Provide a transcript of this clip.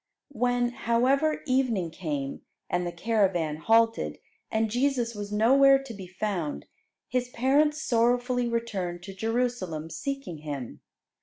When, however, evening came, and the caravan halted, and Jesus was nowhere to be found, His parents sorrowfully returned to Jerusalem seeking Him.